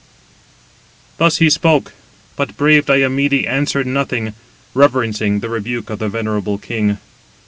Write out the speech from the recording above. Thus he spoke; but brave Diomede answered nothing, reverencing the rebuke of the venerable king.